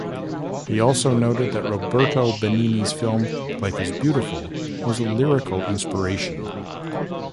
He also noted that Roberto Benigni's film "Life Is Beautiful" was a lyrical inspiration.